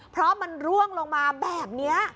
เพราะมันร่วงลงมาแบบนี้